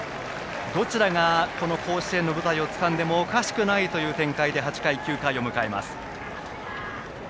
どちらが甲子園の舞台をつかんでもおかしくないという展開で８回、９回を迎えます。